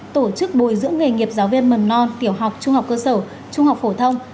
tổ chức bồi dưỡng nghề nghiệp giáo viên mầm non tiểu học trung học cơ sở trung học phổ thông